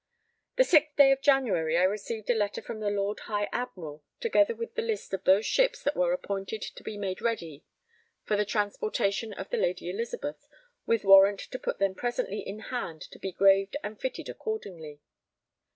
The 6th day of January I received a letter from the Lord High Admiral, together with the list of those ships that were appointed to be made ready for the transportation of the Lady Elizabeth, with warrant to put them presently in hand to be graved and fitted accordingly.